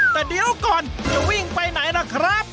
แต่เดี๋ยวก่อนจะวิ่งไปไหนล่ะครับ